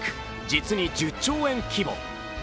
実に１０兆円規模。